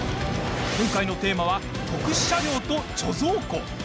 今回のテーマは特殊車両と貯蔵庫。